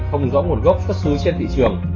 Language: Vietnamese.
không rõ nguồn gốc xuất xứ trên thị trường